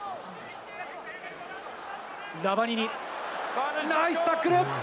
ラバニニ、ナイスタックル！